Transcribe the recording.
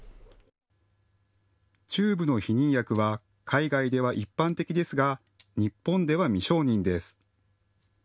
チューブの避妊薬は海外では一般的ですが日本では未承認です。